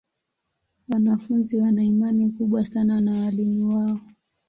Wanafunzi wana imani kubwa sana na walimu wao.